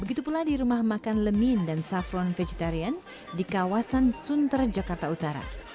begitu pula di rumah makan lemin dan safron vegetarian di kawasan sunter jakarta utara